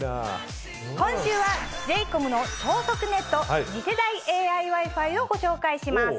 今週はＪ：ＣＯＭの超速ネット次世代ＡＩＷｉ−Ｆｉをご紹介します。